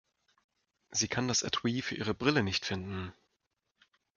Sie kann das Etui für ihre Brille nicht finden.